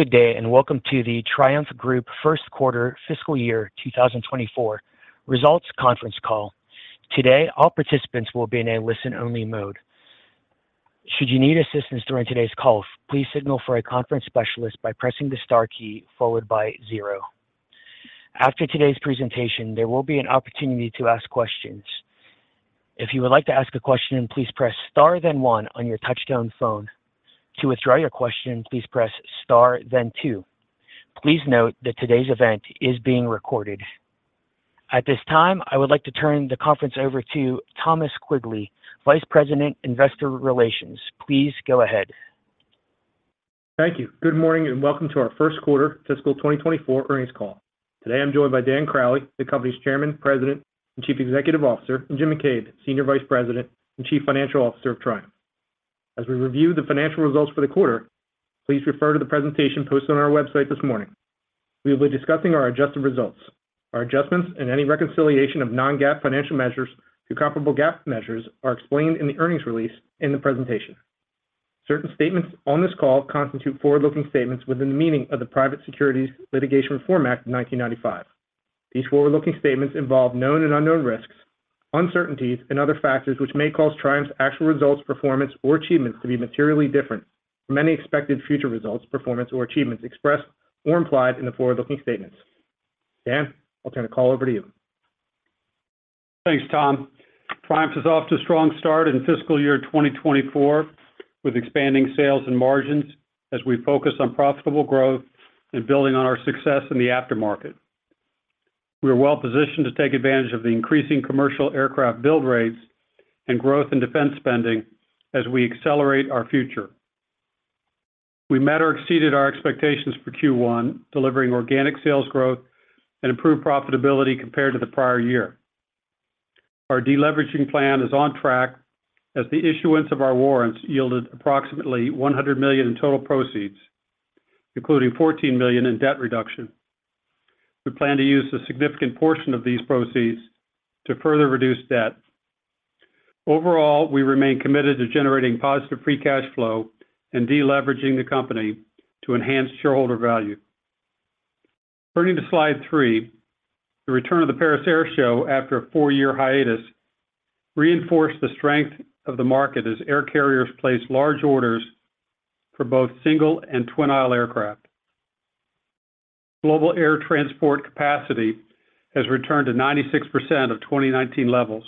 Good day, welcome to the Triumph Group Q1 Fiscal Year 2024 Results Conference Call. Today, all participants will be in a listen-only mode. Should you need assistance during today's call, please signal for a conference specialist by pressing the Star key followed by zero. After today's presentation, there will be an opportunity to ask questions. If you would like to ask a question, please press Star then one on your touch-tone phone. To withdraw your question, please press Star then two. Please note that today's event is being recorded. At this time, I would like to turn the conference over to Thomas Quigley, Vice President, Investor Relations. Please go ahead. Thank you. Good morning, welcome to our Q1 Fiscal 2024 Earnings Call. Today, I'm joined by Dan Crowley, the company's Chairman, President, and Chief Executive Officer, and Jim McCabe, Senior Vice President and Chief Financial Officer of Triumph. As we review the financial results for the quarter, please refer to the presentation posted on our website this morning. We will be discussing our adjusted results. Our adjustments and any reconciliation of non-GAAP financial measures to comparable GAAP measures are explained in the earnings release in the presentation. Certain statements on this call constitute forward-looking statements within the meaning of the Private Securities Litigation Reform Act of 1995. These forward-looking statements involve known and unknown risks, uncertainties, and other factors which may cause Triumph's actual results, performance, or achievements to be materially different from any expected future results, performance, or achievements expressed or implied in the forward-looking statements. Dan, I'll turn the call over to you. Thanks, Tom. Triumph is off to a strong start in fiscal year 2024, with expanding sales and margins as we focus on profitable growth and building on our success in the aftermarket. We are well-positioned to take advantage of the increasing commercial aircraft build rates and growth in defense spending as we accelerate our future. We met or exceeded our expectations for Q1, delivering organic sales growth and improved profitability compared to the prior year. Our deleveraging plan is on track as the issuance of our warrants yielded approximately $100 million in total proceeds, including $14 million in debt reduction. We plan to use a significant portion of these proceeds to further reduce debt. Overall, we remain committed to generating positive free cash flow and deleveraging the company to enhance shareholder value. Turning to slide three, the return of the Paris Air Show after a four-year hiatus reinforced the strength of the market as air carriers placed large orders for both single and twin-aisle aircraft. Global air transport capacity has returned to 96% of 2019 levels.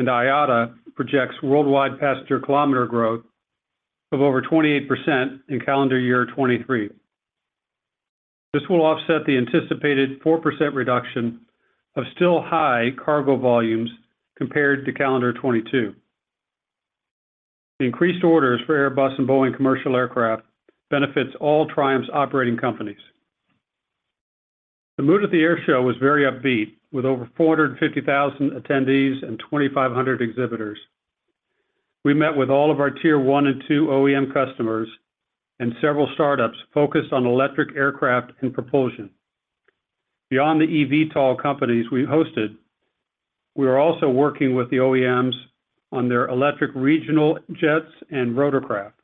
IATA projects worldwide passenger kilometer growth of over 28% in calendar year 2023. This will offset the anticipated 4% reduction of still high cargo volumes compared to calendar 2022. The increased orders for Airbus and Boeing commercial aircraft benefits all Triumph's operating companies. The mood at the Air Show was very upbeat, with over 450,000 attendees and 2,500 exhibitors. We met with all of our tier one and two OEM customers and several startups focused on electric aircraft and propulsion. Beyond the EVTOL companies we hosted, we are also working with the OEMs on their electric regional jets and rotorcraft.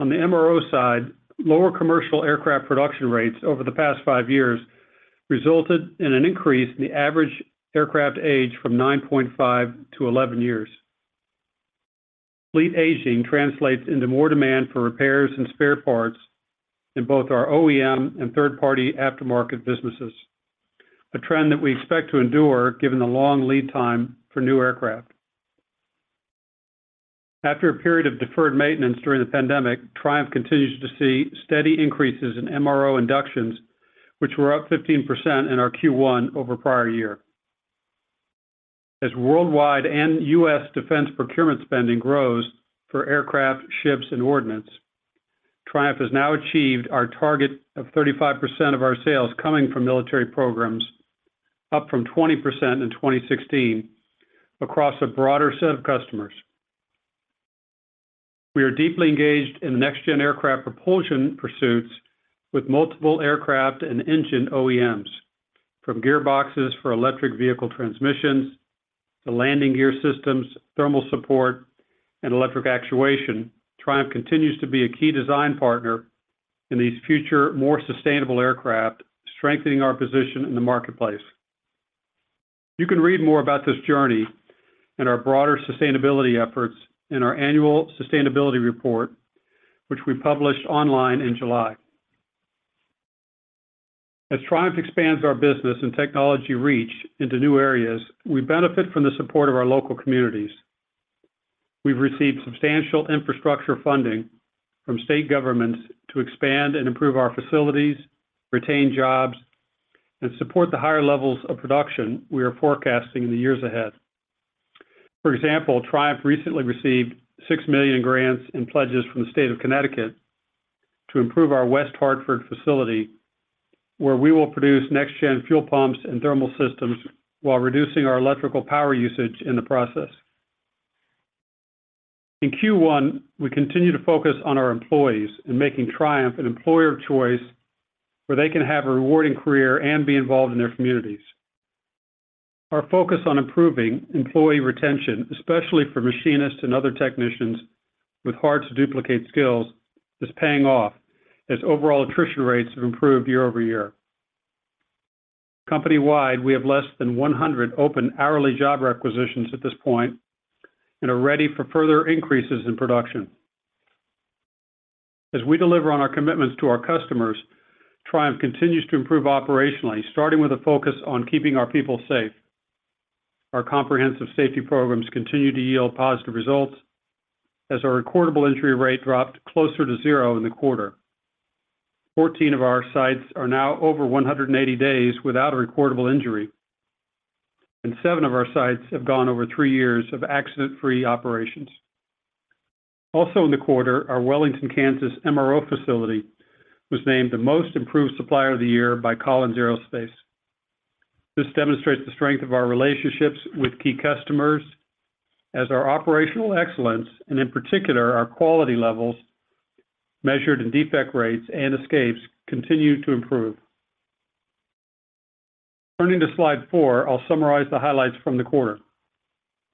On the MRO side, lower commercial aircraft production rates over the past 5 years resulted in an increase in the average aircraft age from 9.5 to 11 years. Fleet aging translates into more demand for repairs and spare parts in both our OEM and third-party aftermarket businesses, a trend that we expect to endure given the long lead time for new aircraft. After a period of deferred maintenance during the pandemic, Triumph continues to see steady increases in MRO inductions, which were up 15% in our Q1 over prior year. As worldwide and U.S. defense procurement spending grows for aircraft, ships, and ordnance, Triumph has now achieved our target of 35% of our sales coming from military programs, up from 20% in 2016, across a broader set of customers. We are deeply engaged in the next-gen aircraft propulsion pursuits with multiple aircraft and engine OEMs, from gearboxes for electric vehicle transmissions to landing gear systems, thermal support, and electric actuation. Triumph continues to be a key design partner in these future, more sustainable aircraft, strengthening our position in the marketplace. You can read more about this journey and our broader sustainability efforts in our annual sustainability report, which we published online in July. As Triumph expands our business and technology reach into new areas, we benefit from the support of our local communities. We've received substantial infrastructure funding from state governments to expand and improve our facilities, retain jobs, and support the higher levels of production we are forecasting in the years ahead. For example, Triumph recently received $6 million grants and pledges from the state of Connecticut to improve our West Hartford facility, where we will produce next-gen fuel pumps and thermal systems while reducing our electrical power usage in the process. In Q1, we continued to focus on our employees in making Triumph an employer of choice, where they can have a rewarding career and be involved in their communities. Our focus on improving employee retention, especially for machinists and other technicians with hard-to-duplicate skills, is paying off as overall attrition rates have improved year-over-year. Company-wide, we have less than 100 open hourly job requisitions at this point and are ready for further increases in production. As we deliver on our commitments to our customers, Triumph continues to improve operationally, starting with a focus on keeping our people safe. Our comprehensive safety programs continue to yield positive results as our recordable injury rate dropped closer to zero in the quarter. 14 of our sites are now over 180 days without a recordable injury, and 7 of our sites have gone over 3 years of accident-free operations. Also in the quarter, our Wellington, Kansas, MRO facility was named the Most Improved Supplier of the Year by Collins Aerospace. This demonstrates the strength of our relationships with key customers as our operational excellence, and in particular, our quality levels, measured in defect rates and escapes, continue to improve. Turning to slide 4, I'll summarize the highlights from the quarter.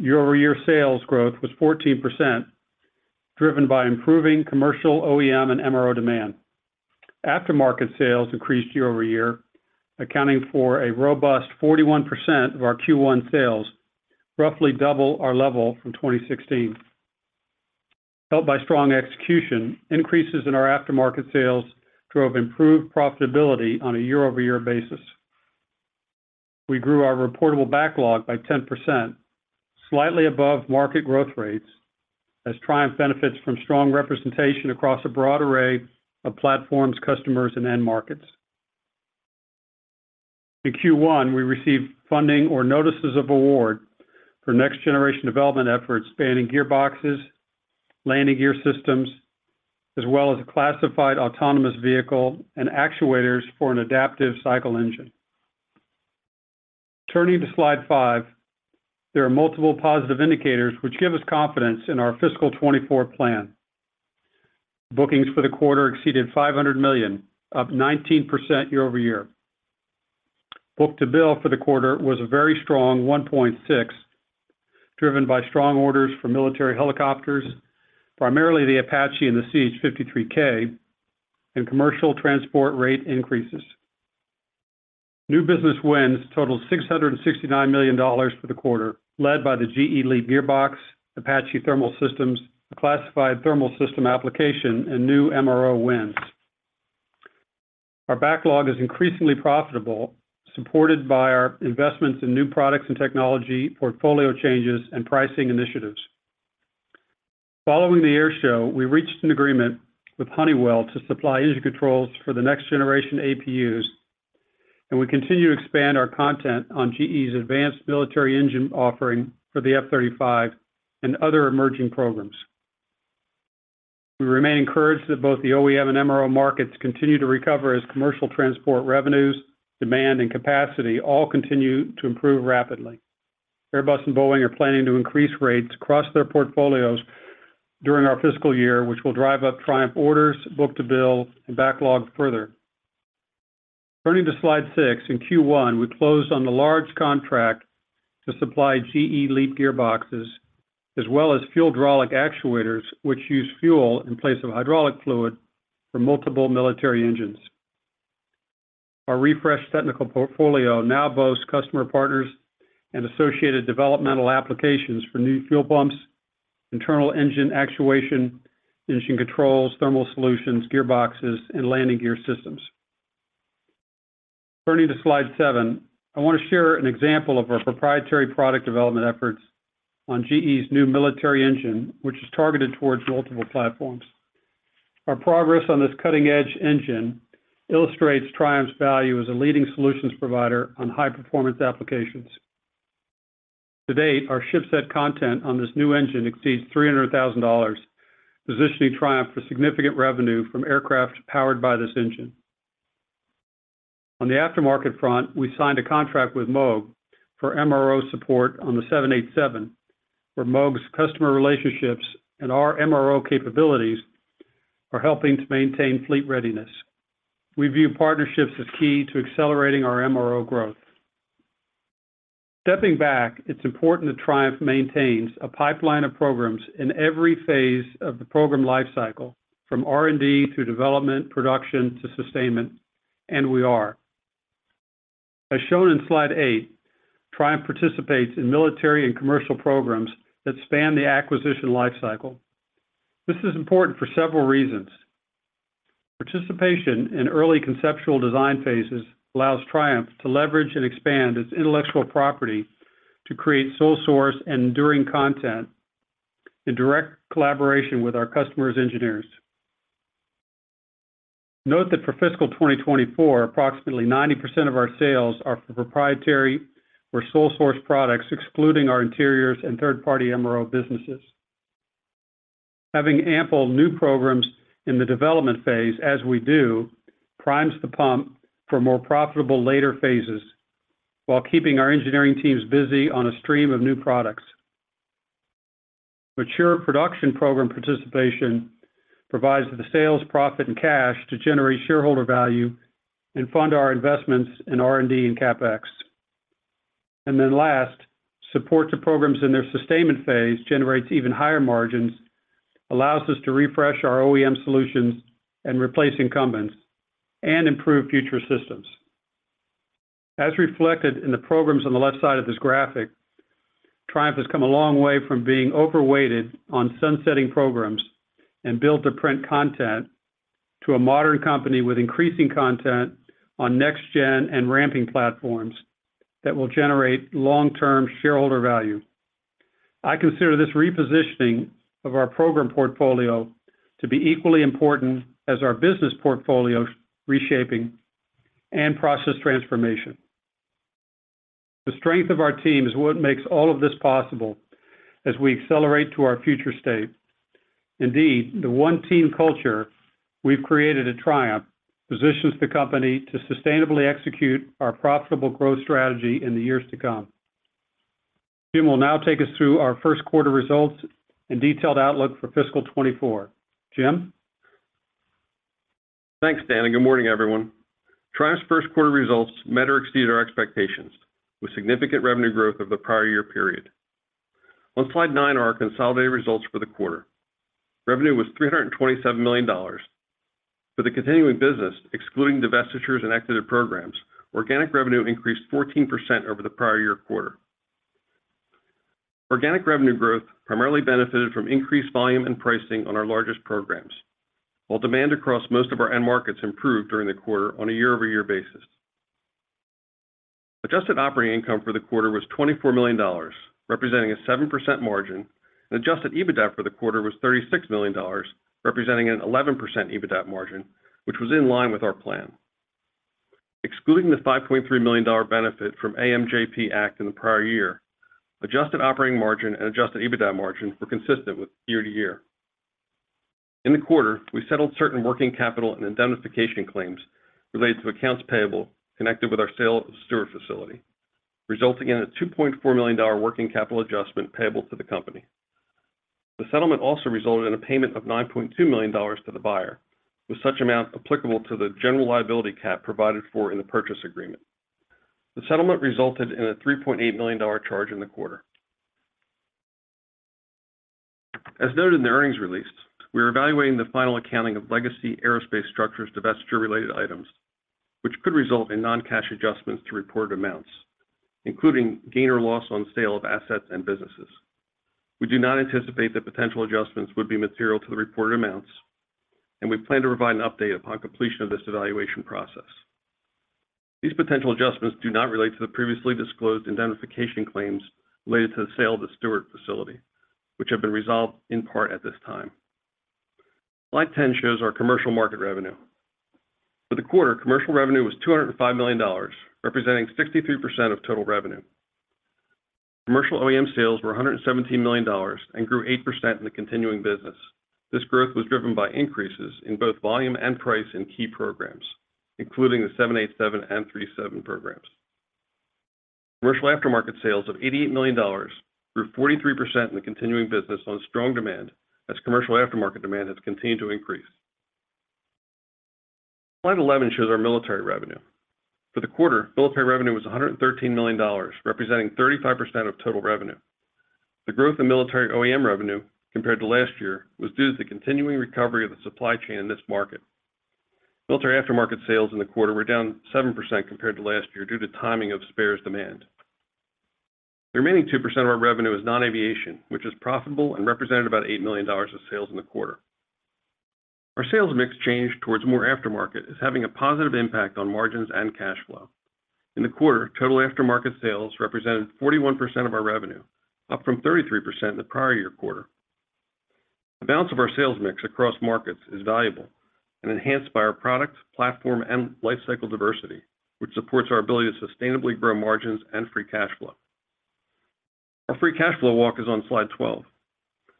Year-over-year sales growth was 14%, driven by improving commercial OEM and MRO demand. Aftermarket sales increased year-over-year, accounting for a robust 41% of our Q1 sales, roughly double our level from 2016. Helped by strong execution, increases in our aftermarket sales drove improved profitability on a year-over-year basis. We grew our reportable backlog by 10%, slightly above market growth rates, as Triumph benefits from strong representation across a broad array of platforms, customers, and end markets. In Q1, we received funding or notices of award for next-generation development efforts spanning gearboxes, landing gear systems, as well as a classified autonomous vehicle and actuators for an adaptive cycle engine. Turning to slide five, there are multiple positive indicators which give us confidence in our fiscal 2024 plan. Bookings for the quarter exceeded $500 million, up 19% year-over-year. Book-to-bill for the quarter was a very strong 1.6, driven by strong orders for military helicopters, primarily the Apache and the CH-53K, and commercial transport rate increases. New business wins totaled $669 million for the quarter, led by the GE LEAP gearbox, Apache Thermal Systems, Classified Thermal System application, and new MRO wins. Our backlog is increasingly profitable, supported by our investments in new products and technology, portfolio changes, and pricing initiatives. Following the air show, we reached an agreement with Honeywell to supply engine controls for the next generation APUs, and we continue to expand our content on GE's advanced military engine offering for the F-35 and other emerging programs. We remain encouraged that both the OEM and MRO markets continue to recover as commercial transport revenues, demand, and capacity all continue to improve rapidly. Airbus and Boeing are planning to increase rates across their portfolios during our fiscal year, which will drive up Triumph orders, book-to-bill, and backlogs further. Turning to slide six, in Q1, we closed on the large contract to supply GE LEAP gearboxes, as well as fueldraulic actuators, which use fuel in place of hydraulic fluid for multiple military engines. Our refreshed technical portfolio now boasts customer partners and associated developmental applications for new fuel pumps, internal engine actuation, engine controls, thermal solutions, gearboxes, and landing gear systems. Turning to slide seven, I want to share an example of our proprietary product development efforts on GE's new military engine, which is targeted towards multiple platforms. Our progress on this cutting-edge engine illustrates Triumph's value as a leading solutions provider on high-performance applications. To date, our ship set content on this new engine exceeds $300,000, positioning Triumph for significant revenue from aircraft powered by this engine. On the aftermarket front, we signed a contract with Moog for MRO support on the 787, where Moog's customer relationships and our MRO capabilities are helping to maintain fleet readiness. We view partnerships as key to accelerating our MRO growth. Stepping back, it's important that Triumph maintains a pipeline of programs in every phase of the program lifecycle, from R&D to development, production, to sustainment, and we are. As shown in slide 8, Triumph participates in military and commercial programs that span the acquisition lifecycle. This is important for several reasons. Participation in early conceptual design phases allows Triumph to leverage and expand its intellectual property to create sole source and enduring content in direct collaboration with our customers' engineers. Note that for fiscal 2024, approximately 90% of our sales are for proprietary or sole source products, excluding our interiors and third-party MRO businesses. Having ample new programs in the development phase, as we do, primes the pump for more profitable later phases while keeping our engineering teams busy on a stream of new products. Mature production program participation provides the sales, profit, and cash to generate shareholder value and fund our investments in R&D and CapEx. Last, support to programs in their sustainment phase generates even higher margins, allows us to refresh our OEM solutions and replace incumbents, and improve future systems. As reflected in the programs on the left side of this graphic, Triumph has come a long way from being overweighted on sunsetting programs and build-to-print content, to a modern company with increasing content on next gen and ramping platforms that will generate long-term shareholder value. I consider this repositioning of our program portfolio to be equally important as our business portfolio reshaping and process transformation. The strength of our team is what makes all of this possible as we accelerate to our future state. Indeed, the one team culture we've created at Triumph positions the company to sustainably execute our profitable growth strategy in the years to come. Jim will now take us through our Q1 results and detailed outlook for fiscal 2024. Jim? Thanks, Dan, good morning, everyone. Triumph's Q1 results met or exceeded our expectations, with significant revenue growth of the prior year period. On slide 9 are our consolidated results for the quarter. Revenue was $327 million. For the continuing business, excluding divestitures and exited programs, organic revenue increased 14% over the prior year quarter. Organic revenue growth primarily benefited from increased volume and pricing on our largest programs, while demand across most of our end markets improved during the quarter on a year-over-year basis. Adjusted operating income for the quarter was $24 million, representing a 7% margin, adjusted EBITDA for the quarter was $36 million, representing an 11% EBITDA margin, which was in line with our plan. Excluding the $5.3 million benefit from AMJP Act in the prior year, adjusted operating margin and adjusted EBITDA margin were consistent with year-over-year. In the quarter, we settled certain working capital and indemnification claims related to accounts payable connected with our sale of the Stuart facility, resulting in a $2.4 million working capital adjustment payable to the company. The settlement also resulted in a payment of $9.2 million to the buyer, with such amount applicable to the general liability cap provided for in the purchase agreement. The settlement resulted in a $3.8 million charge in the quarter. As noted in the earnings release, we are evaluating the final accounting of legacy aerospace structures divestiture-related items, which could result in non-cash adjustments to reported amounts, including gain or loss on sale of assets and businesses. We do not anticipate that potential adjustments would be material to the reported amounts, and we plan to provide an update upon completion of this evaluation process. These potential adjustments do not relate to the previously disclosed indemnification claims related to the sale of the Stuart facility, which have been resolved in part at this time. Slide 10 shows our commercial market revenue. For the quarter, commercial revenue was $205 million, representing 63% of total revenue. Commercial OEM sales were $117 million and grew 8% in the continuing business. This growth was driven by increases in both volume and price in key programs, including the 787 and 737 programs. Commercial aftermarket sales of $88 million grew 43% in the continuing business on strong demand, as commercial aftermarket demand has continued to increase. Slide 11 shows our military revenue. For the quarter, military revenue was $113 million, representing 35% of total revenue. The growth in military OEM revenue compared to last year was due to the continuing recovery of the supply chain in this market. Military aftermarket sales in the quarter were down 7% compared to last year due to timing of spares demand. The remaining 2% of our revenue is non-aviation, which is profitable and represented about $8 million of sales in the quarter. Our sales mix change towards more aftermarket is having a positive impact on margins and cash flow. In the quarter, total aftermarket sales represented 41% of our revenue, up from 33% in the prior year quarter. The balance of our sales mix across markets is valuable and enhanced by our product, platform, and lifecycle diversity, which supports our ability to sustainably grow margins and free cash flow. Our free cash flow walk is on slide 12,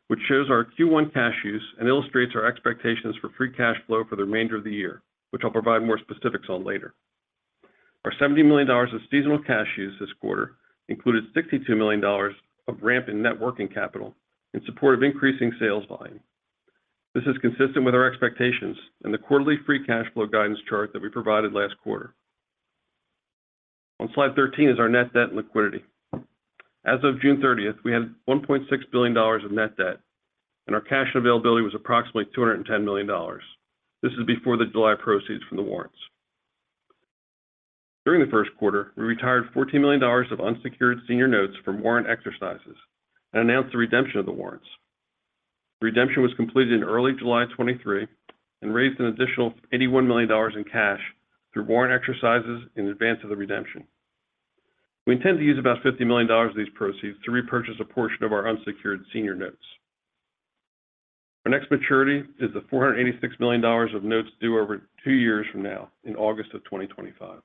which shows our Q1 cash use and illustrates our expectations for free cash flow for the remainder of the year, which I'll provide more specifics on later. Our $70 million of seasonal cash use this quarter included $62 million of ramp in net working capital in support of increasing sales volume. This is consistent with our expectations and the quarterly free cash flow guidance chart that we provided last quarter. On slide 13 is our net debt and liquidity. As of June 30th, we had $1.6 billion of net debt, and our cash availability was approximately $210 million. This is before the July proceeds from the warrants. During the Q1, we retired $14 million of unsecured senior notes from warrant exercises and announced the redemption of the warrants. Redemption was completed in early July 2023 and raised an additional $81 million in cash through warrant exercises in advance of the redemption. We intend to use about $50 million of these proceeds to repurchase a portion of our unsecured senior notes. Our next maturity is the $486 million of notes due over two years from now, in August of 2025.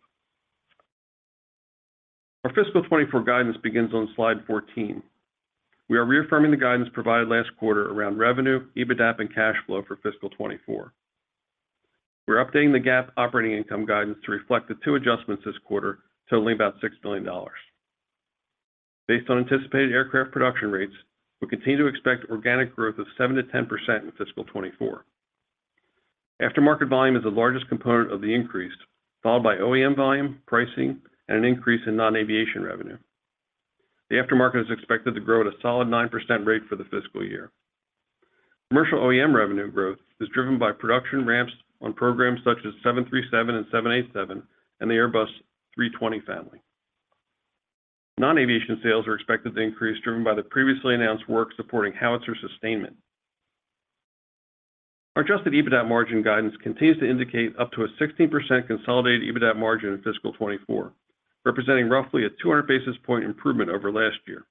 Our fiscal 2024 guidance begins on slide 14. We are reaffirming the guidance provided last quarter around revenue, EBITDA, and cash flow for fiscal 2024. We're updating the GAAP operating income guidance to reflect the two adjustments this quarter, totaling about $6 million. Based on anticipated aircraft production rates, we continue to expect organic growth of 7%-10% in fiscal 2024. Aftermarket volume is the largest component of the increase, followed by OEM volume, pricing, and an increase in non-aviation revenue. The aftermarket is expected to grow at a solid 9% rate for the fiscal year. Commercial OEM revenue growth is driven by production ramps on programs such as 737 and 787, and the Airbus A320 family. Non-aviation sales are expected to increase, driven by the previously announced work supporting howitzer sustainment. Our adjusted EBITDA margin guidance continues to indicate up to a 16% consolidated EBITDA margin in fiscal 2024, representing roughly a 200 basis point improvement over last year.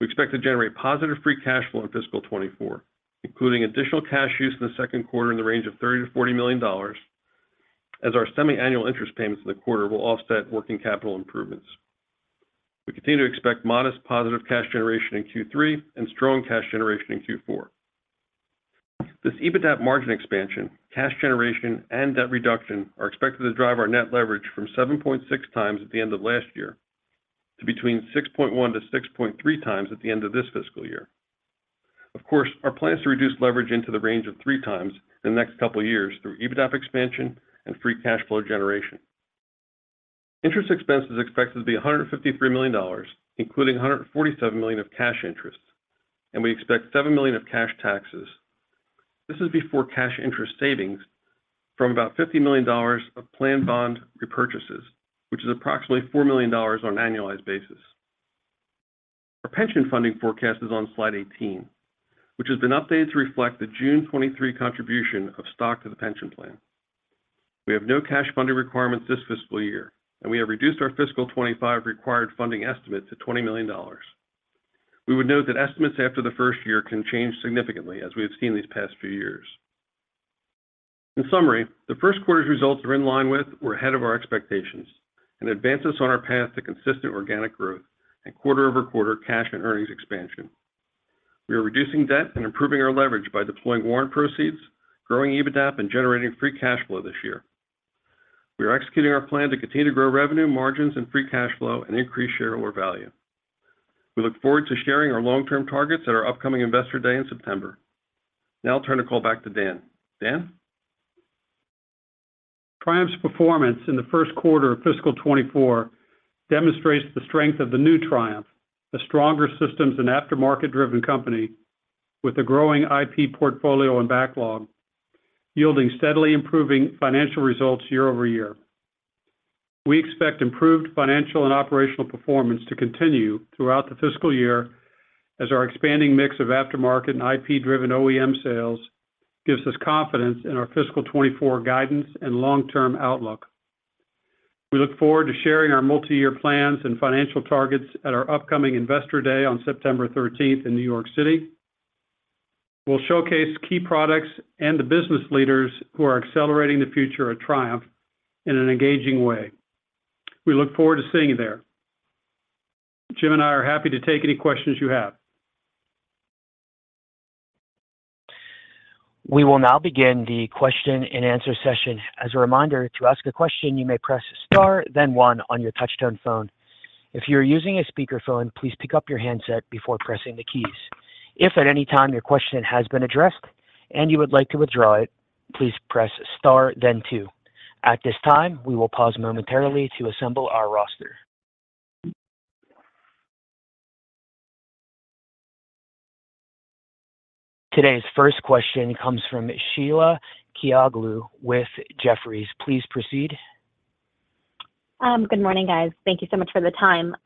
We expect to generate positive free cash flow in fiscal 2024, including additional cash use in the Q2 in the range of $30-$40 million, as our semi-annual interest payments in the quarter will offset working capital improvements. We continue to expect modest positive cash generation in Q3 and strong cash generation in Q4. This EBITDA margin expansion, cash generation, and debt reduction are expected to drive our net leverage from 7.6x at the end of last year to between 6.1x-6.3x at the end of this fiscal year. Of course, our plan is to reduce leverage into the range of 3x in the next couple of years through EBITDA expansion and free cash flow generation. Interest expense is expected to be $153 million, including $147 million of cash interest, and we expect $7 million of cash taxes. This is before cash interest savings from about $50 million of planned bond repurchases, which is approximately $4 million on an annualized basis. Our pension funding forecast is on slide 18, which has been updated to reflect the June 23 contribution of stock to the pension plan. We have no cash funding requirements this fiscal year, and we have reduced our fiscal 2025 required funding estimate to $20 million. We would note that estimates after the first year can change significantly, as we have seen these past few years. In summary, the Q1's results are in line with or ahead of our expectations and advance us on our path to consistent organic growth and quarter-over-quarter cash and earnings expansion. We are reducing debt and improving our leverage by deploying warrant proceeds, growing EBITDA, and generating free cash flow this year. We are executing our plan to continue to grow revenue, margins, and free cash flow and increase shareholder value. We look forward to sharing our long-term targets at our upcoming Investor Day in September. Now I'll turn the call back to Dan. Dan? Triumph's performance in the Q1 of fiscal 2024 demonstrates the strength of the new Triumph, a stronger systems and aftermarket-driven company with a growing IP portfolio and backlog, yielding steadily improving financial results year-over-year. We expect improved financial and operational performance to continue throughout the fiscal year, as our expanding mix of aftermarket and IP-driven OEM sales gives us confidence in our fiscal 2024 guidance and long-term outlook. We look forward to sharing our multi-year plans and financial targets at our upcoming Investor Day on September 13th in New York City. We'll showcase key products and the business leaders who are accelerating the future of Triumph in an engaging way. We look forward to seeing you there. Jim and I are happy to take any questions you have. We will now begin the question-and-answer session. As a reminder, to ask a question, you may press star, then 1 on your touchtone phone. If you are using a speakerphone, please pick up your handset before pressing the keys. If at any time your question has been addressed and you would like to withdraw it, please press star, then 2. At this time, we will pause momentarily to assemble our roster. Today's first question comes from Sheila Kahyaoglu with Jefferies. Please proceed. Good morning, guys. Thank you so much for the time.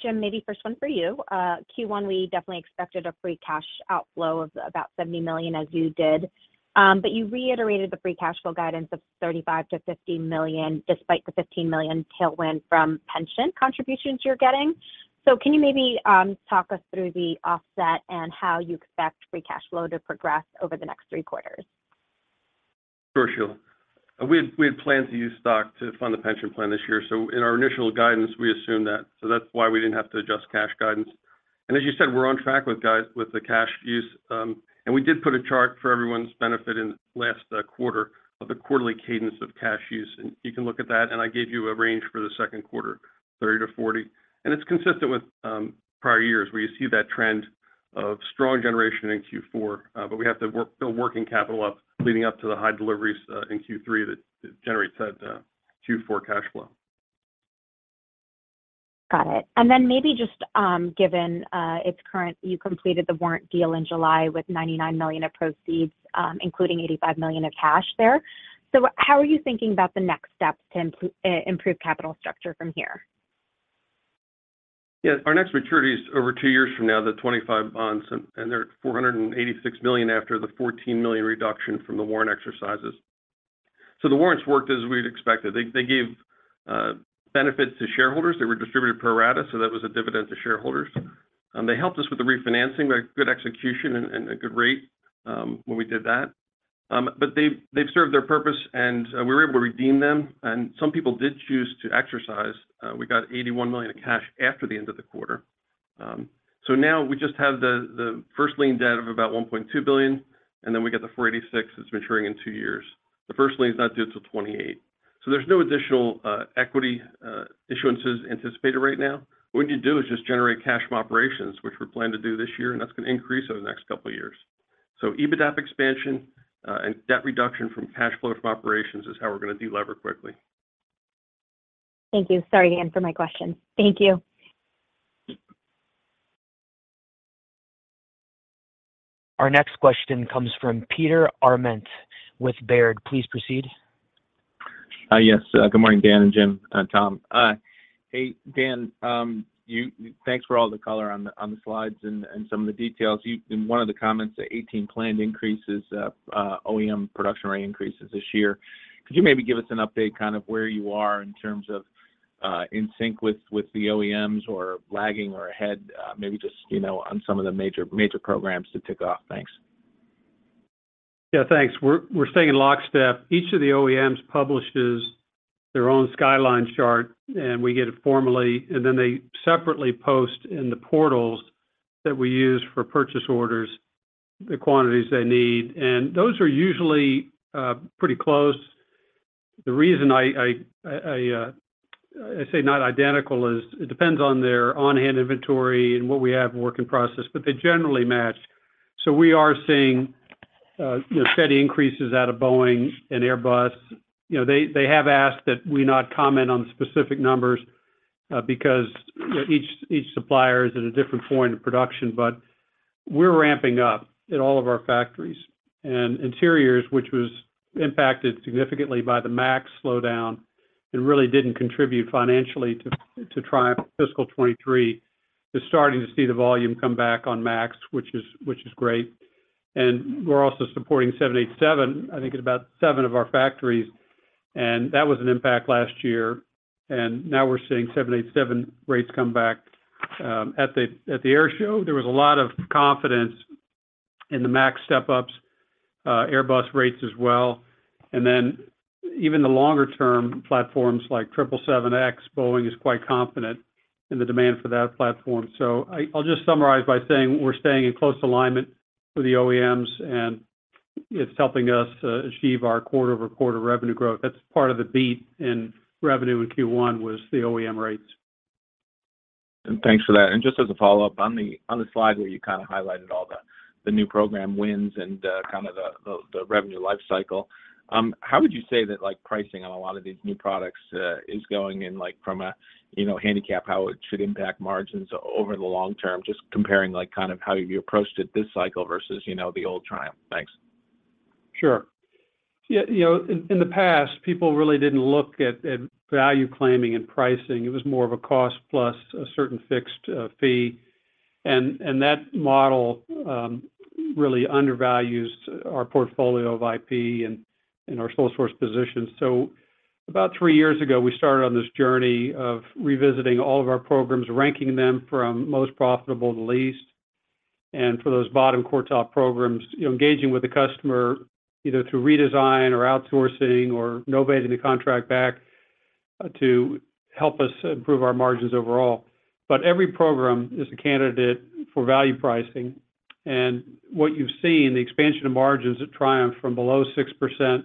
Jim, maybe first one for you. Q1, we definitely expected a free cash outflow of about $70 million, as you did. You reiterated the free cash flow guidance of $35-$50 million, despite the $15 million tailwind from pension contributions you're getting. Can you maybe talk us through the offset and how you expect free cash flow to progress over the next 3 quarters? Sure, Sheila. We had, we had planned to use stock to fund the pension plan this year. In our initial guidance, we assumed that. That's why we didn't have to adjust cash guidance. As you said, we're on track with the cash use. We did put a chart for everyone's benefit in last quarter of the quarterly cadence of cash use, and you can look at that, and I gave you a range for the Q2, $30-$40. It's consistent with prior years, where you see that trend of strong generation in Q4. We have to build working capital up leading up to the high deliveries in Q3 that, that generates that Q4 cash flow. Got it. Then maybe just, given, its current... You completed the warrant deal in July with $99 million of proceeds, including $85 million of cash there. How are you thinking about the next steps to improve capital structure from here? Yeah. Our next maturity is over two years from now, the 25 bonds, and they're $486 million after the $14 million reduction from the warrant exercises. The warrants worked as we'd expected. They, they gave benefits to shareholders. They were distributed pro rata, so that was a dividend to shareholders. They helped us with the refinancing, a good execution and a good rate when we did that. They've, they've served their purpose, and we were able to redeem them, and some people did choose to exercise. We got $81 million of cash after the end of the quarter. Now we just have the, the first lien debt of about $1.2 billion, and then we get the $486 million that's maturing in two years. The first lien is not due till 2028. There's no additional equity issuances anticipated right now. What we need to do is just generate cash from operations, which we plan to do this year, and that's gonna increase over the next couple of years. EBITDA expansion and debt reduction from cash flow from operations is how we're gonna delever quickly. Thank you. Sorry again for my question. Thank you. Our next question comes from Peter Arment with Baird. Please proceed. Yes. Good morning, Dan and Jim and Tom. Hey, Dan, thanks for all the color on the, on the slides and, and some of the details. In one of the comments, the 18 planned increases, OEM production rate increases this year. Could you maybe give us an update, kind of where you are in terms of, in sync with, with the OEMs or lagging or ahead, maybe just, you know, on some of the major, major programs to tick off? Thanks. Yeah, thanks. We're, we're staying in lockstep. Each of the OEMs publishes their own skyline chart, and we get it formally, and then they separately post in the portals that we use for purchase orders, the quantities they need. Those are usually, pretty close. The reason I, I, I, I say not identical is it depends on their on-hand inventory and what we have in work in process, but they generally match. We are seeing, steady increases out of Boeing and Airbus. You know, they, they have asked that we not comment on the specific numbers, because, you know, each, each supplier is at a different point of production. We're ramping up in all of our factories. Interiors, which was impacted significantly by the MAX slowdown, and really didn't contribute financially to Triumph fiscal 2023, is starting to see the volume come back on MAX, which is great. We're also supporting 787, I think, in about 7 of our factories, and that was an impact last year. Now we're seeing 787 rates come back. At the air show, there was a lot of confidence in the MAX step-ups, Airbus rates as well. Even the longer-term platforms like 777X, Boeing is quite confident in the demand for that platform. I'll just summarize by saying we're staying in close alignment with the OEMs, and it's helping us achieve our quarter-over-quarter revenue growth. That's part of the beat in revenue in Q1 was the OEM rates. Thanks for that. Just as a follow-up, on the, on the slide where you kind of highlighted all the, the new program wins and, kind of the, the, the revenue life cycle, how would you say that, like, pricing on a lot of these new products, is going in, like, from a, you know, handicap, how it should impact margins over the long term, just comparing, like, kind of how you approached it this cycle versus, you know, the old Triumph? Thanks. Sure. Yeah, you know, in, in the past, people really didn't look at, at value claiming and pricing. It was more of a cost plus a certain fixed fee. That model really undervalues our portfolio of IP and, and our sole source positions. About 3 years ago, we started on this journey of revisiting all of our programs, ranking them from most profitable to least. For those bottom quartile programs, you know, engaging with the customer, either through redesign or outsourcing or novating the contract back to help us improve our margins overall. Every program is a candidate for value pricing, and what you've seen, the expansion of margins at Triumph from below 6%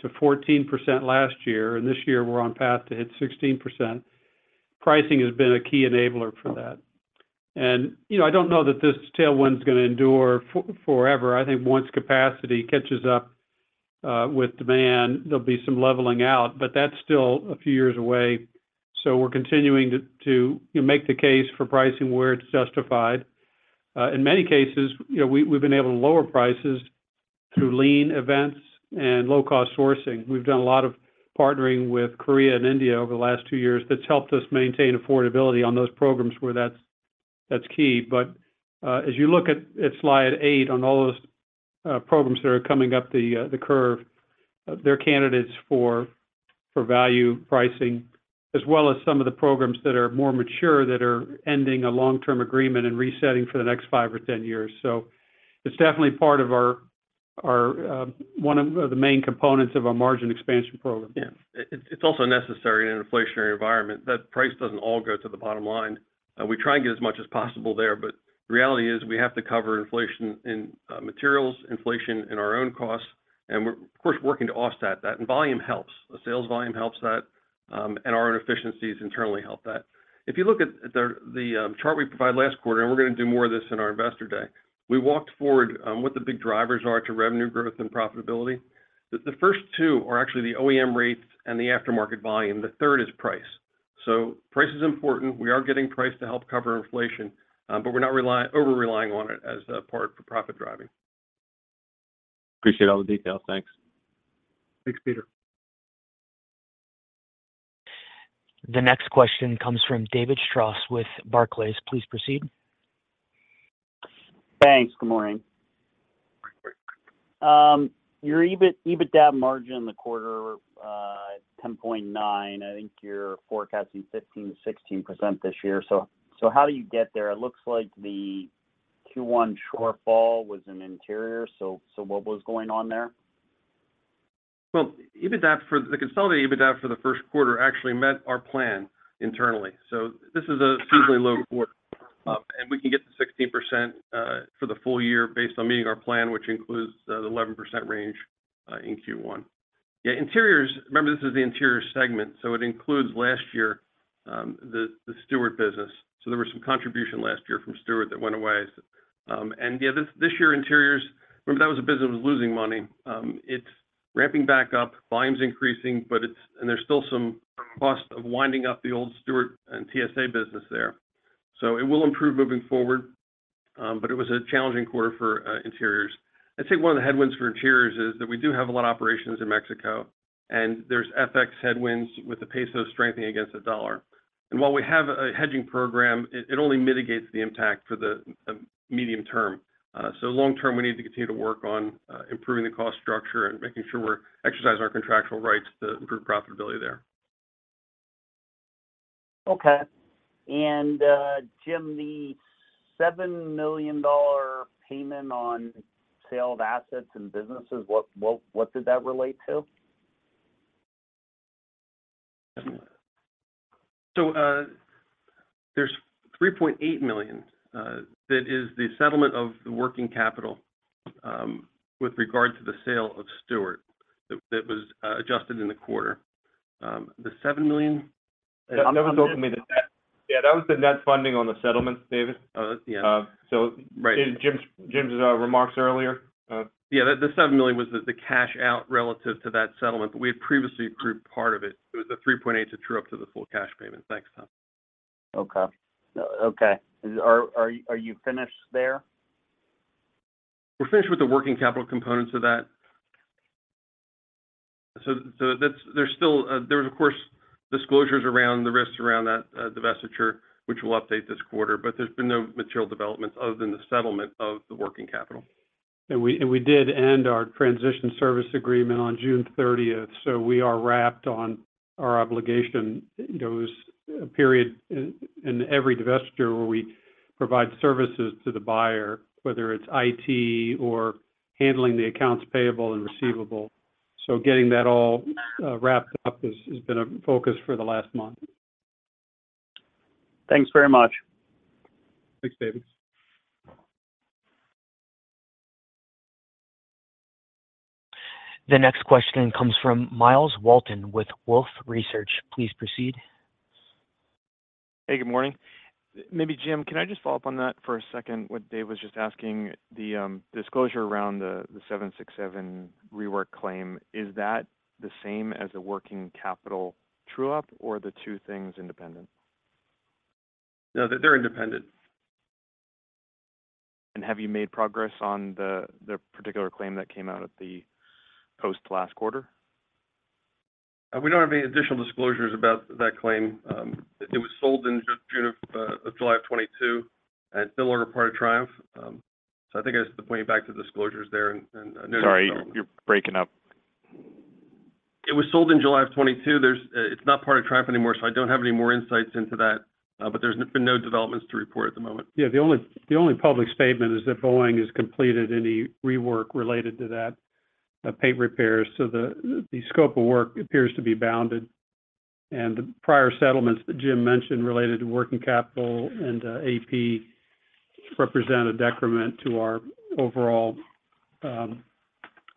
to 14% last year, and this year we're on path to hit 16%, pricing has been a key enabler for that. You know, I don't know that this tailwind is going to endure forever. I think once capacity catches up with demand, there'll be some leveling out, but that's still a few years away. We're continuing to, to, you know, make the case for pricing where it's justified. In many cases, you know, we, we've been able to lower prices through lean events and low-cost sourcing. We've done a lot of partnering with Korea and India over the last two years that's helped us maintain affordability on those programs where that's, that's key. As you look at, at Slide 8 on all those programs that are coming up the curve, they're candidates for, for value pricing, as well as some of the programs that are more mature that are ending a long-term agreement and resetting for the next five or 10 years. It's definitely part of our, our one of the main components of our margin expansion program. Yeah. It's, it's also necessary in an inflationary environment, that price doesn't all go to the bottom line. We try and get as much as possible there, but the reality is we have to cover inflation in materials, inflation in our own costs, and we're, of course, working to offset that, and volume helps. The sales volume helps that, and our own efficiencies internally help that. If you look at the, the chart we provided last quarter, and we're going to do more of this in our Investor Day, we walked forward what the big drivers are to revenue growth and profitability. The, the first two are actually the OEM rates and the aftermarket volume. The third is price. Price is important. We are getting price to help cover inflation, but we're not rely-- over-relying on it as a part for profit driving. Appreciate all the details. Thanks. Thanks, Peter. The next question comes from David Strauss with Barclays. Please proceed. Thanks. Good morning. Your EBIT, EBITDA margin in the quarter, 10.9%. I think you're forecasting 15%-16% this year. How do you get there? It looks like the Q1 shortfall was in interior. What was going on there? Well, EBITDA, the consolidated EBITDA for the Q1 actually met our plan internally. This is a seasonally low quarter, and we can get to 16% for the full year based on meeting our plan, which includes the 11% range in Q1. Yeah, interiors, remember, this is the interior segment, so it includes last year, the Stuart business. There was some contribution last year from Stuart that went away. Yeah, this year, interiors, remember, that was a business that was losing money. It's ramping back up, volume's increasing, but there's still some cost of winding up the old Stuart and TSA business there. It will improve moving forward, but it was a challenging quarter for interiors. I'd say one of the headwinds for interiors is that we do have a lot of operations in Mexico, and there's FX headwinds with the peso strengthening against the dollar. While we have a hedging program, it only mitigates the impact for the medium term. Long term, we need to continue to work on improving the cost structure and making sure we're exercising our contractual rights to improve profitability there. Okay. Jim, the $7 million payment on sale of assets and businesses, what, what, what did that relate to? There's $3.8 million that is the settlement of the working capital with regard to the sale of Stuart that, that was adjusted in the quarter. The $7 million- That was open to me the net. Yeah, that was the net funding on the settlements, David. Oh, yeah. Right Jim's, Jim's remarks earlier. Yeah, the, the $7 million was the, the cash out relative to that settlement, but we had previously approved part of it. It was a $3.8 to true up to the full cash payment. Thanks, Tom. Okay. Okay. Are you finished there? We're finished with the working capital components of that. There's still, there's of course, disclosures around the risks around that divestiture, which we'll update this quarter, but there's been no material developments other than the settlement of the working capital. We did end our transition service agreement on June 30th, so we are wrapped on our obligation. There was a period in every divestiture where we provide services to the buyer, whether it's IT or handling the accounts payable and receivable. Getting that all wrapped up has been a focus for the last month. Thanks very much. Thanks, David. The next question comes from Myles Walton with Wolfe Research. Please proceed. Hey, good morning. Maybe Jim, can I just follow up on that for a second, what Dave was just asking, the, disclosure around the, the 767 rework claim, is that the same as a working capital true up or are the two things independent? No, they're independent. Have you made progress on the particular claim that came out at the post last quarter? We don't have any additional disclosures about that claim. It was sold in June of July of 2022, and it's no longer part of Triumph. I think I have to point you back to the disclosures there. Sorry, you're breaking up. It was sold in July of 2022. There's, it's not part of Triumph anymore, so I don't have any more insights into that, but there's been no developments to report at the moment. Yeah, the only, the only public statement is that Boeing has completed any rework related to that paint repairs. The, the scope of work appears to be bounded, and the prior settlements that Jim mentioned related to working capital and AP represent a decrement to our overall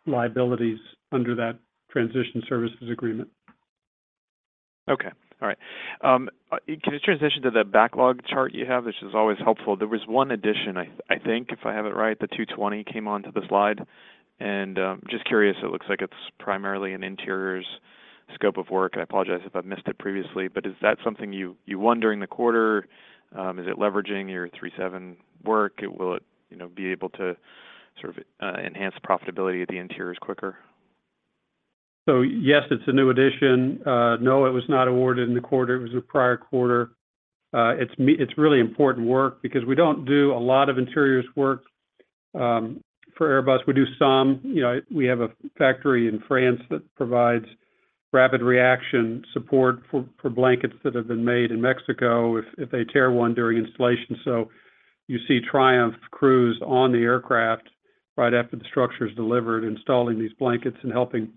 liabilities under that transition services agreement. Okay. All right. Can you transition to the backlog chart you have, which is always helpful? There was one addition, I, I think, if I have it right, the A220 came onto the slide. Just curious, it looks like it's primarily an interiors scope of work. I apologize if I've missed it previously, but is that something you, you won during the quarter? Is it leveraging your 737 work? Will it, you know, be able to sort of enhance profitability of the interiors quicker? Yes, it's a new addition. No, it was not awarded in the quarter. It was a prior quarter. It's really important work because we don't do a lot of interiors work for Airbus. We do some. You know, we have a factory in France that provides rapid reaction support for blankets that have been made in Mexico if they tear one during installation. You see Triumph crews on the aircraft right after the structure is delivered, installing these blankets and helping.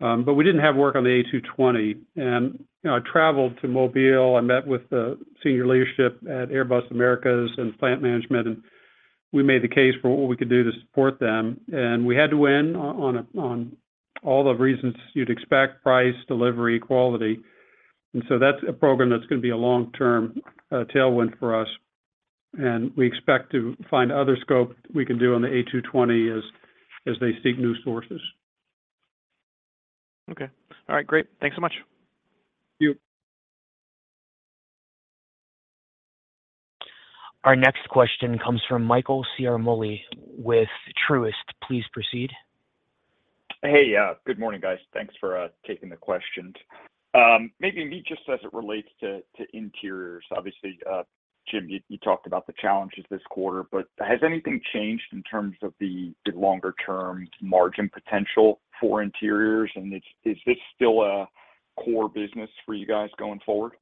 We didn't have work on the A220. You know, I traveled to Mobile. I met with the senior leadership at Airbus Americas and plant management, and we made the case for what we could do to support them. We had to win on, on, on all the reasons you'd expect: price, delivery, quality. So that's a program that's going to be a long-term tailwind for us, and we expect to find other scope we can do on the A220 as, as they seek new sources. Okay. All right, great. Thanks so much. Thank you. Our next question comes from Michael Ciarmoli with Truist. Please proceed. Hey, good morning, guys. Thanks for taking the questions. Maybe me just as it relates to, to interiors. Obviously, Jim, you, you talked about the challenges this quarter, but has anything changed in terms of the, the longer-term margin potential for interiors? Is, is this still a core business for you guys going forward?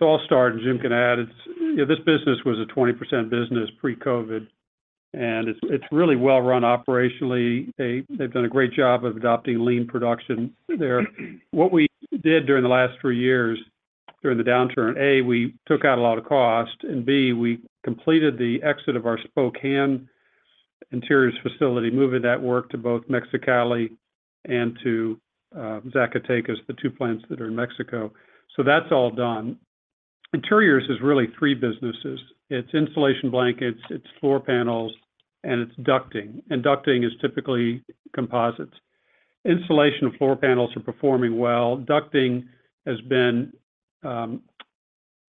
I'll start, and Jim can add. It's, you know, this business was a 20% business pre-COVID, and it's, it's really well run operationally. They, they've done a great job of adopting lean production there. What we did during the last 3 years, during the downturn, A, we took out a lot of cost, and B, we completed the exit of our Spokane Interiors facility, moving that work to both Mexicali and to Zacatecas, the two plants that are in Mexico. That's all done. Interiors is really 3 businesses. It's insulation blankets, it's floor panels, and it's ducting. Ducting is typically composites. Insulation and floor panels are performing well. Ducting has been, you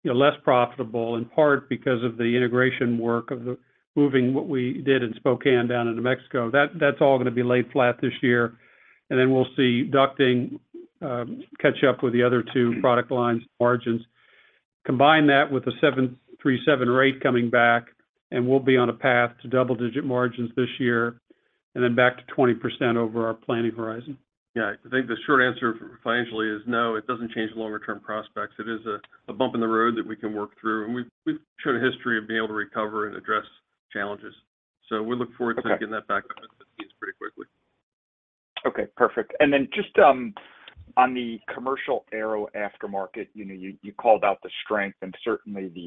know, less profitable, in part because of the integration work of the moving what we did in Spokane down into Mexico. That, that's all gonna be laid flat this year, and then we'll see ducting catch up with the other two product lines' margins. Combine that with the 737 rate coming back, and we'll be on a path to double-digit margins this year, and then back to 20% over our planning horizon. Yeah. I think the short answer financially is no, it doesn't change the longer term prospects. It is a bump in the road that we can work through, and we've shown a history of being able to recover and address challenges. We look forward to. Okay Getting that back on its feet pretty quickly. Okay, perfect. Then just on the commercial aero aftermarket, you know, you, you called out the strength and certainly the,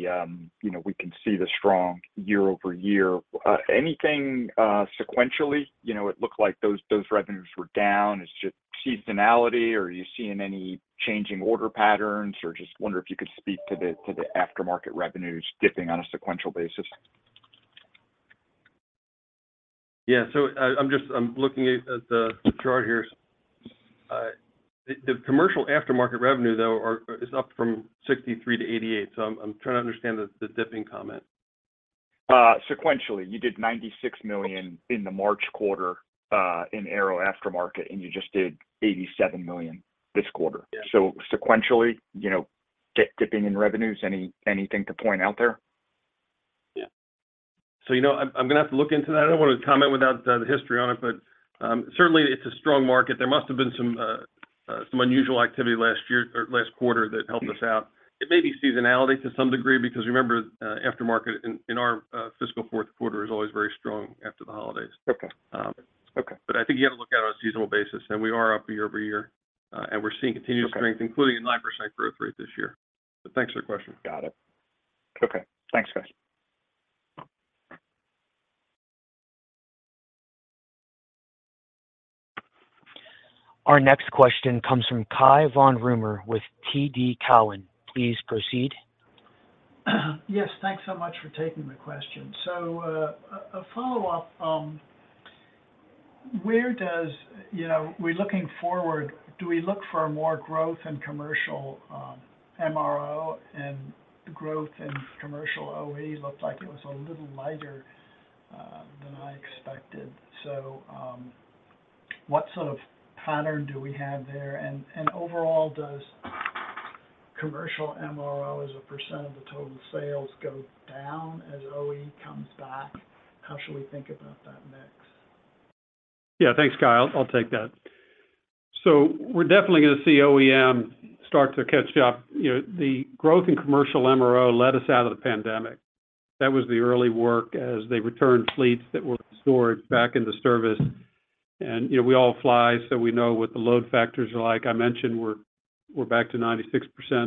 you know, we can see the strong year-over-year. Anything sequentially? You know, it looked like those, those revenues were down. It's just seasonality, or are you seeing any changing order patterns? Just wonder if you could speak to the, to the aftermarket revenues dipping on a sequential basis? Yeah. I, I'm looking at, at the chart here. The, the commercial aftermarket revenue, though, are, is up from $63 to $88, so I'm trying to understand the, the dipping comment. Sequentially, you did $96 million in the March quarter, in aero aftermarket, and you just did $87 million this quarter. Yeah. Sequentially, you know, dipping in revenues, anything to point out there? Yeah. you know, I'm gonna have to look into that. I don't want to comment without the history on it, but certainly, it's a strong market. There must have been some unusual activity last year or last quarter that helped us out. It may be seasonality to some degree, because, remember, aftermarket in our fiscal Q4 is always very strong after the holidays. Okay. Um. Okay. I think you have to look at it on a seasonal basis, and we are up year-over-year, and we're seeing continued-. Okay Strength, including a 9% growth rate this year. Thanks for the question. Got it. Okay. Thanks, guys. Our next question comes from Cai von Rumohr with TD Cowen. Please proceed. Yes, thanks so much for taking the question. A follow-up, where does you know, we're looking forward, do we look for more growth in commercial MRO, and the growth in commercial OE looked like it was a little lighter than I expected. What sort of pattern do we have there? Overall, does commercial MRO as a % of the total sales go down as OE comes back? How should we think about that mix? Yeah, thanks, Cai. I'll, I'll take that. We're definitely gonna see OEM start to catch up. You know, the growth in commercial MRO led us out of the pandemic. That was the early work as they returned fleets that were stored back into service. And, you know, we all fly, so we know what the load factors are like. I mentioned we're, we're back to 96%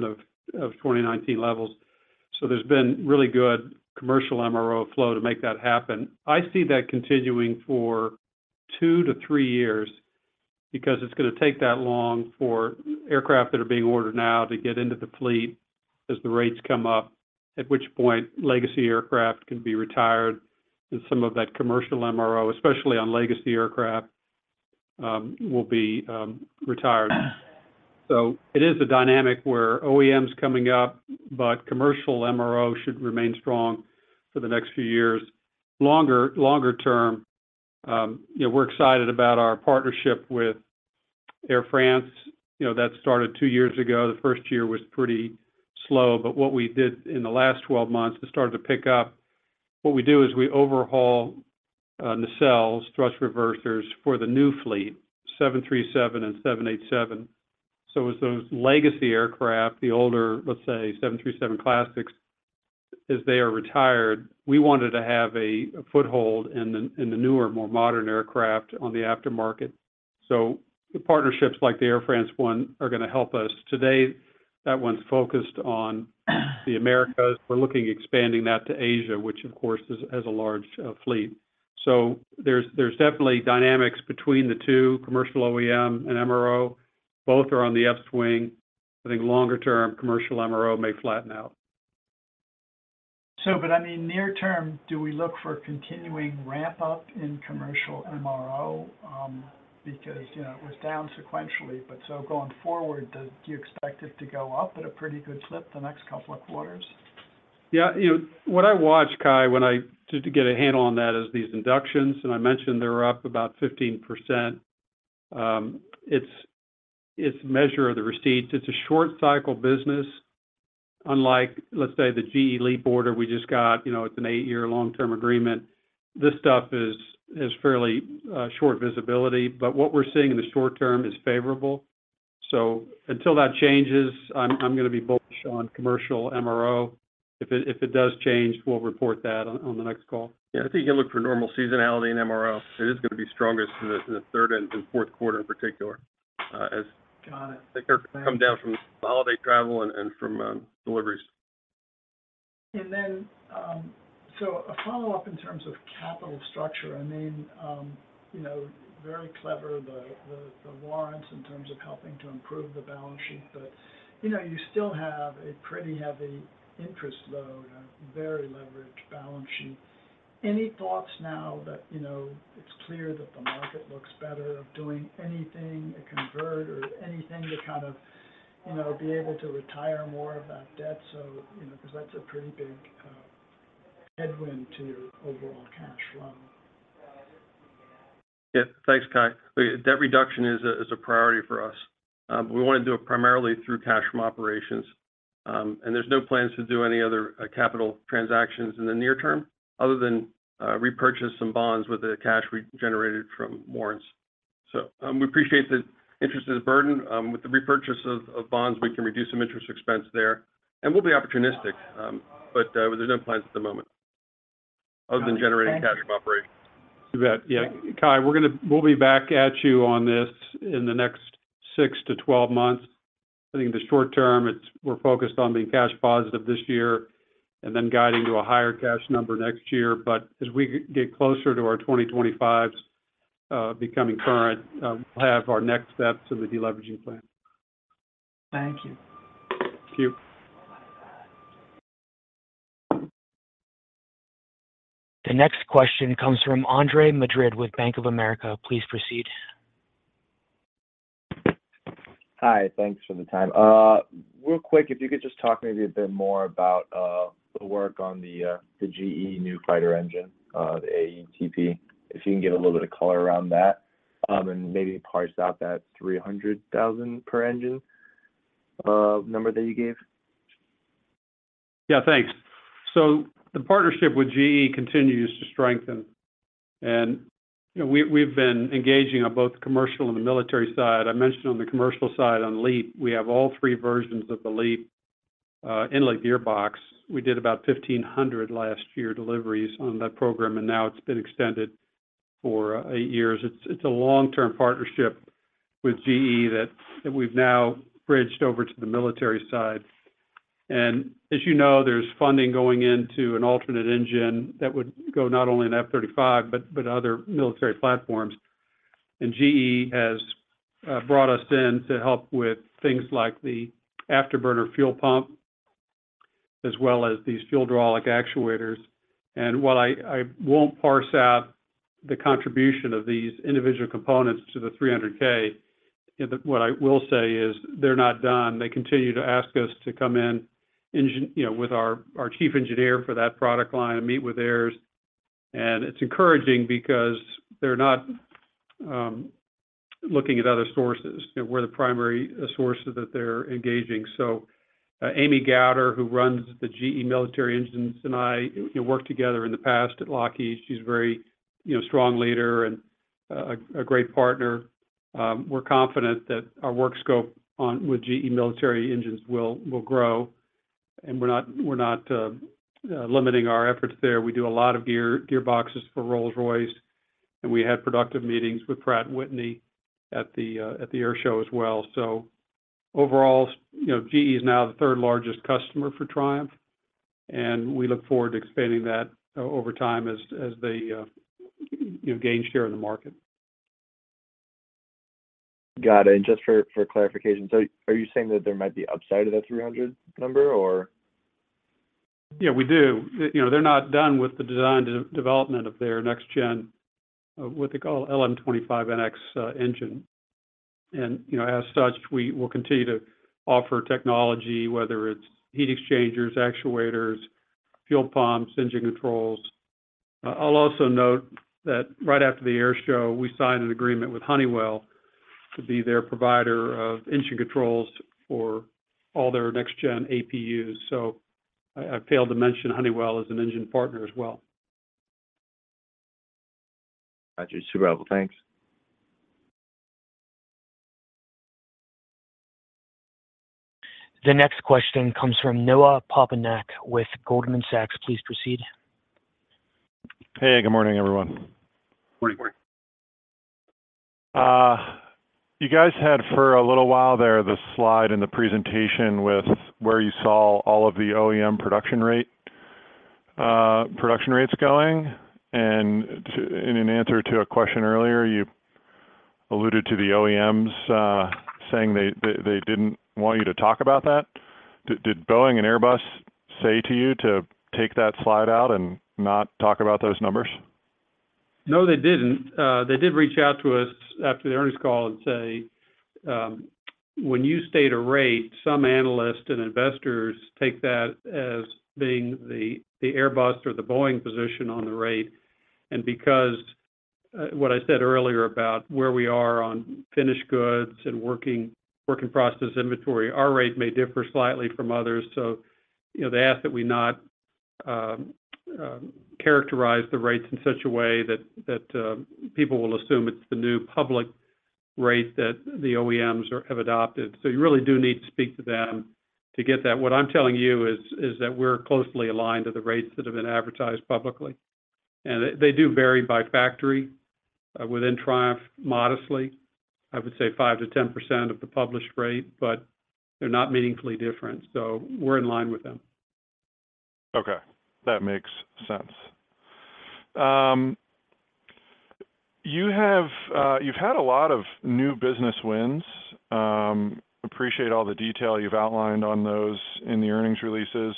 of 2019 levels. There's been really good commercial MRO flow to make that happen. I see that continuing for 2-3 years, because it's gonna take that long for aircraft that are being ordered now to get into the fleet as the rates come up, at which point legacy aircraft can be retired, and some of that commercial MRO, especially on legacy aircraft, will be retired. It is a dynamic where OEM's coming up, but commercial MRO should remain strong for the next few years. Longer, longer term, you know, we're excited about our partnership with Air France. You know, that started 2 years ago. The first year was pretty slow, but what we did in the last 12 months, it started to pick up. What we do is we overhaul nacelles, thrust reversers for the new fleet, 737 and 787. As those legacy aircraft, the older, let's say, 737 classics, as they are retired, we wanted to have a foothold in the, in the newer, more modern aircraft on the aftermarket. Partnerships like the Air France one are gonna help us. Today, that one's focused on the Americas. We're looking at expanding that to Asia, which of course, has a large fleet. There's definitely dynamics between the two, commercial OEM and MRO. Both are on the upswing. I think longer term, commercial MRO may flatten out. I mean, near term, do we look for continuing ramp-up in commercial MRO? Because, you know, it was down sequentially, but so going forward, do you expect it to go up at a pretty good clip the next couple of quarters? Yeah. You know, what I watch, Cai, just to get a handle on that, is these inductions, and I mentioned they're up about 15%. It's a measure of the receipts. It's a short cycle business, unlike, let's say, the GE Leap order we just got, you know, it's an 8-year long-term agreement. This stuff is fairly short visibility, but what we're seeing in the short term is favorable. Until that changes, I'm gonna be bullish on commercial MRO. If it does change, we'll report that on the next call. Yeah, I think you look for normal seasonality in MRO. It is gonna be strongest in the, in the third and, and Q4 in particular. Got it. They come down from holiday travel and, and from, deliveries. Then, so a follow-up in terms of capital structure, I mean, you know, very clever, the, the, the warrants in terms of helping to improve the balance sheet, but, you know, you still have a pretty heavy interest load and a very leveraged balance sheet. Any thoughts now that, you know, it's clear that the market looks better, of doing anything, a convert or anything to kind of, you know, be able to retire more of that debt so, you know, because that's a pretty big headwind to your overall cash flow? Yeah. Thanks, Cai. Debt reduction is a priority for us. We wanna do it primarily through cash from operations, there's no plans to do any other capital transactions in the near term, other than repurchase some bonds with the cash we generated from warrants. We appreciate the interest is a burden. With the repurchase of bonds, we can reduce some interest expense there, and we'll be opportunistic, there's no plans at the moment other than generating cash from operations. You bet. Yeah, Cai, we're gonna we'll be back at you on this in the next 6-12 months. I think in the short term, it's we're focused on being cash positive this year and then guiding to a higher cash number next year. But as we get closer to our 2025s becoming current, we'll have our next steps in the deleveraging plan. Thank you. Thank you. The next question comes from Ronald Epstein with Bank of America. Please proceed. Hi, thanks for the time. Real quick, if you could just talk maybe a bit more about the work on the GE new fighter engine, the AETP. If you can give a little bit of color around that, and maybe parse out that 300,000 per engine number that you gave. Yeah, thanks. The partnership with GE continues to strengthen, and, you know, we've been engaging on both commercial and the military side. I mentioned on the commercial side, on LEAP, we have all three versions of the LEAP in, like, gearbox. We did about 1,500 last year deliveries on that program. Now it's been extended for 8 years. It's a long-term partnership with GE that we've now bridged over to the military side. As you know, there's funding going into an alternate engine that would go not only in F-35, but other military platforms. GE has brought us in to help with things like the afterburner fuel pump, as well as these fuel hydraulic actuators. While I, I won't parse out the contribution of these individual components to the $300K, what I will say is they're not done. They continue to ask us to come in, you know, with our, our chief engineer for that product line and meet with theirs. It's encouraging because they're not looking at other sources. You know, we're the primary source that they're engaging. Amy Gowder, who runs the GE Military Engines, and I, you know, worked together in the past at Lockheed Martin. She's a very, you know, strong leader and a, a great partner. We're confident that our work scope on with GE Military Engines will, will grow, and we're not, we're not limiting our efforts there. We do a lot of gear, gearboxes for Rolls-Royce, and we had productive meetings with Pratt & Whitney at the air show as well. Overall, you know, GE is now the third largest customer for Triumph, and we look forward to expanding that over time as, as they, you know, gain share in the market. Got it. Just for clarification, are you saying that there might be upside to that 300 number, or? Yeah, we do. You know, they're not done with the design dev- development of their next gen, what they call LM25NX engine. You know, as such, we will continue to offer technology, whether it's heat exchangers, actuators, fuel pumps, engine controls. I'll also note that right after the air show, we signed an agreement with Honeywell to be their provider of engine controls for all their next gen APUs. I, I failed to mention Honeywell as an engine partner as well. Got you. Super helpful. Thanks. The next question comes from Noah Poponak with Goldman Sachs. Please proceed. Hey, good morning, everyone. Good morning. You guys had for a little while there, the slide in the presentation with where you saw all of the OEM production rate, production rates going. In an answer to a question earlier, you alluded to the OEMs, saying they didn't want you to talk about that. Did Boeing and Airbus say to you to take that slide out and not talk about those numbers? No, they didn't. They did reach out to us after the earnings call and say, "When you state a rate, some analysts and investors take that as being the, the Airbus or the Boeing position on the rate." What I said earlier about where we are on finished goods and work-in-process inventory, our rate may differ slightly from others. You know, they ask that we not characterize the rates in such a way that people will assume it's the new public rate that the OEMs have adopted. You really do need to speak to them to get that. What I'm telling you is, is that we're closely aligned to the rates that have been advertised publicly, and they, they do vary by factory within Triumph, modestly. I would say 5%-10% of the published rate, but they're not meaningfully different, so we're in line with them. Okay, that makes sense. You've had a lot of new business wins. Appreciate all the detail you've outlined on those in the earnings releases,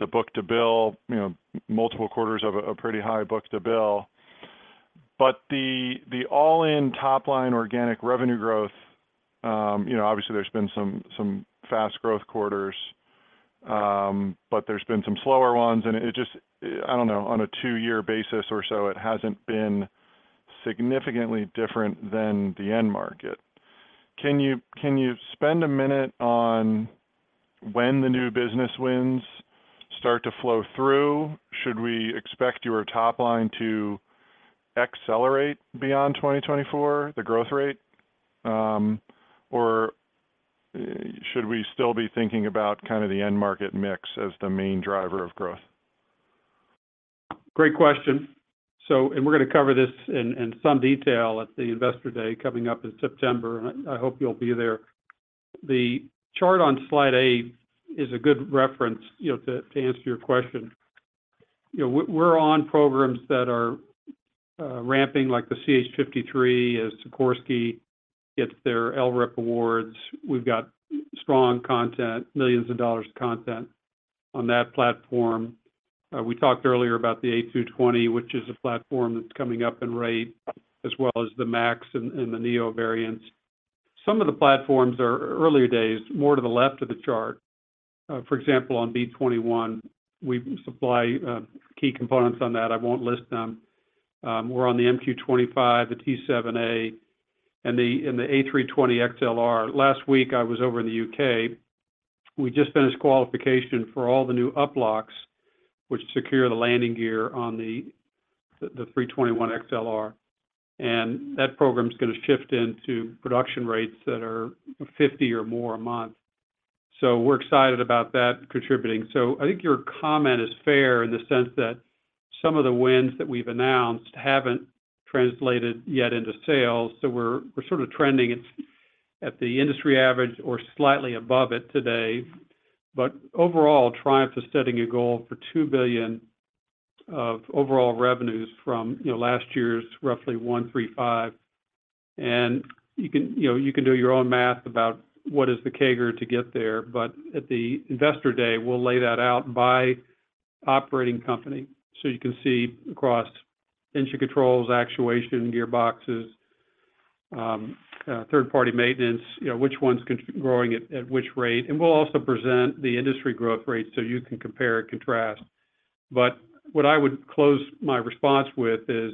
the book-to-bill, you know, multiple quarters of a, a pretty high book-to-bill. But the, the all-in top line organic revenue growth, you know, obviously, there's been some, some fast growth quarters, but there's been some slower ones, and it just, I don't know, on a two-year basis or so, it hasn't been significantly different than the end market. Can you, can you spend a minute on when the new business wins start to flow through? Should we expect your top line to accelerate beyond 2024, the growth rate, or, should we still be thinking about kind of the end market mix as the main driver of growth? Great question. We're gonna cover this in, in some detail at the Investor Day coming up in September, and I, I hope you'll be there. The chart on slide A is a good reference, you know, to, to answer your question. You know, we're, we're on programs that are ramping, like the CH-53, as Sikorsky gets their LRIP awards. We've got strong content, millions of dollars of content on that platform. We talked earlier about the A220, which is a platform that's coming up in rate, as well as the MAX and the neo variants. Some of the platforms are earlier days, more to the left of the chart. For example, on B21, we supply key components on that. I won't list them. We're on the MQ-25, the T7A, and the A320XLR. Last week, I was over in the U.K. We just finished qualification for all the new uplocks, which secure the landing gear on the 321XLR, that program's gonna shift into production rates that are 50 or more a month. We're excited about that contributing. I think your comment is fair in the sense that some of the wins that we've announced haven't translated yet into sales, we're sort of trending at the industry average or slightly above it today. Overall, Triumph is setting a goal for $2 billion of overall revenues from, you know, last year's roughly $1.35 billion. You can, you know, you can do your own math about what is the CAGR to get there. At the Investor Day, we'll lay that out by operating company, so you can see across engine controls, actuation, gearboxes, third-party maintenance, you know, which one's growing at, at which rate, and we'll also present the industry growth rate so you can compare and contrast. What I would close my response with is,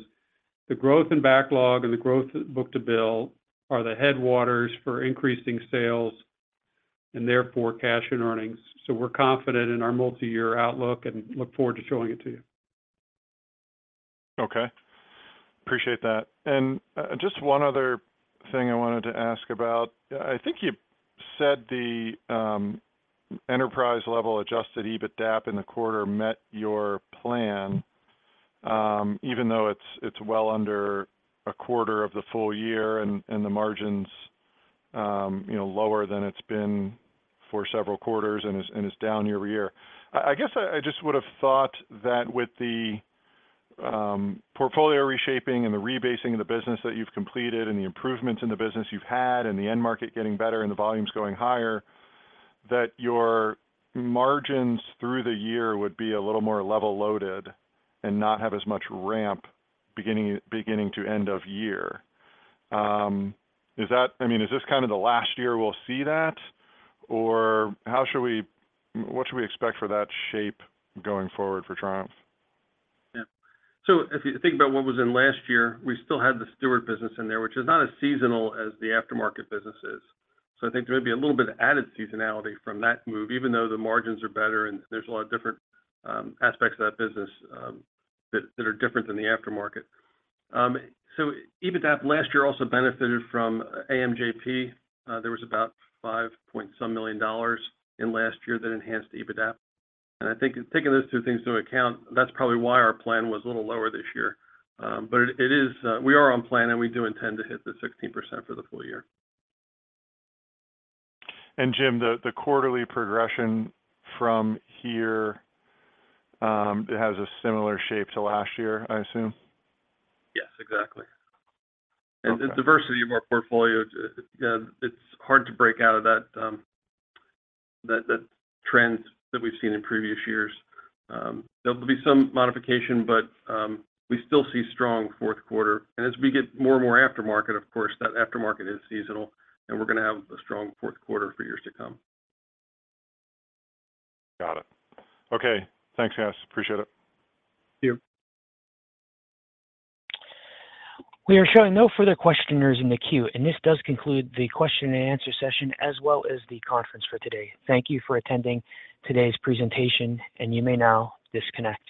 the growth in backlog and the growth in book-to-bill are the headwaters for increasing sales, and therefore, cash and earnings. We're confident in our multiyear outlook and look forward to showing it to you. Okay. Appreciate that. Just one other thing I wanted to ask about. I think you said the enterprise-level adjusted EBITDA in the quarter met your plan, even though it's, it's well under a quarter of the full year and the margins, you know, lower than it's been for several quarters, and it's, and it's down year-over-year. I guess I just would have thought that with the portfolio reshaping and the rebasing of the business that you've completed, and the improvements in the business you've had, and the end market getting better, and the volumes going higher, that your margins through the year would be a little more level-loaded and not have as much ramp beginning, beginning to end of year. I mean, is this kind of the last year we'll see that, or what should we expect for that shape going forward for Triumph? Yeah. If you think about what was in last year, we still had the Stuart business in there, which is not as seasonal as the aftermarket business is. I think there may be a little bit of added seasonality from that move, even though the margins are better and there's a lot of different aspects of that business that are different than the aftermarket. EBITDA last year also benefited from AMJP. There was about $five-point-some million in last year that enhanced EBITDA. I think in taking those two things into account, that's probably why our plan was a little lower this year. It, it is, we are on plan, and we do intend to hit the 16% for the full year. Jim, the, the quarterly progression from here, it has a similar shape to last year, I assume? Yes, exactly. Okay. The diversity of our portfolio, you know, it's hard to break out of that, that, that trends that we've seen in previous years. There will be some modification, but, we still see strong Q4. As we get more and more aftermarket, of course, that aftermarket is seasonal, and we're gonna have a strong Q4 for years to come. Got it. Okay. Thanks, guys. Appreciate it. Thank you. We are showing no further questioners in the queue, and this does conclude the question and answer session, as well as the conference for today. Thank you for attending today's presentation, and you may now disconnect.